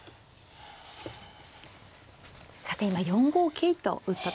さて今４五桂と打ったところ。